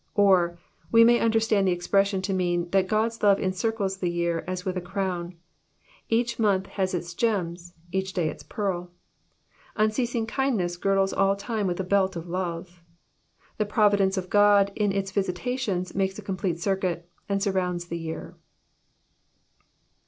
Or, we may understand the expression to mean that God^s love encircles the Tear as with a crown ; each month has its gems, each day its peari. Unceasing kindness girdles all time with a belt of love. The providence of God in its Tisitations makes a complete circuit, and surrounds the year.